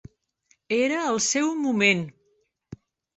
Era el seu moment.